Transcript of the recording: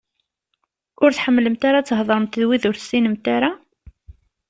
Ur tḥemmlemt ara ad theḍṛemt d wid ur tessinemt ara?